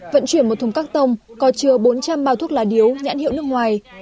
vận chuyển một thùng các tông có chứa bốn trăm linh bao thuốc lá điếu nhãn hiệu nước ngoài